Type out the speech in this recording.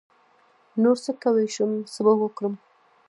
نـور څه کوی شم څه به وکړم.